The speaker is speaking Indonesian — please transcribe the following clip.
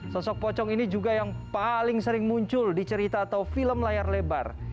sosok pocong ini juga yang paling sering muncul di cerita atau film layar lebar